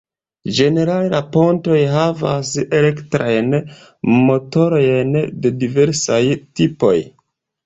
Ĝenerale la pontoj havas elektrajn motorojn de diversaj tipoj.